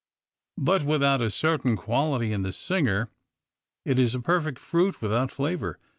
But without a certain quality in the singer it is a perfect fruit without flavor.